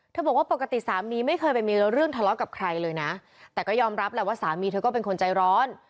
บอกว่าปกติสามีไม่เคยไปมีเรื่องทะเลาะกับใครเลยนะแต่ก็ยอมรับแหละว่าสามีเธอก็เป็นคนใจร้อน